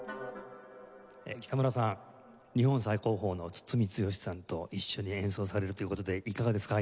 北村さん日本最高峰の堤剛さんと一緒に演奏されるという事でいかがですか？